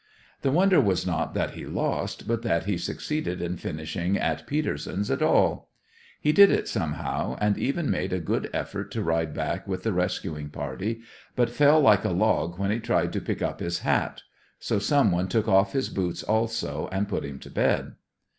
The wonder was not that he lost, but that he succeeded in finishing at Peterson's at all. He did it somehow, and even made a good effort to ride back with the rescuing party, but fell like a log when he tried to pick up his hat. So someone took off his boots, also, and put him to bed.